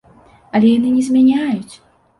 Але яны не змяняюць!